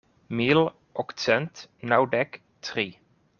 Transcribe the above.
Mil okcent naŭdek tri.